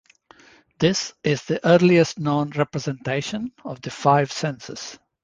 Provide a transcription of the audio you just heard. This is the earliest known representation of the five senses.